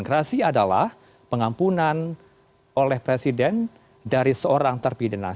gerasi adalah pengampunan oleh presiden dari seorang terpidana